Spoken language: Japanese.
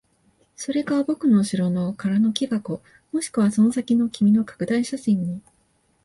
それか僕の後ろの空の木箱、もしくはその先の君の拡大写真に。